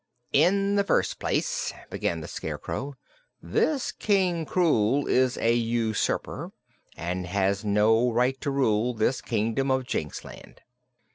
"In the first place," began the Scarecrow, "this King Krewl is a usurper and has no right to rule this Kingdom of Jinxland."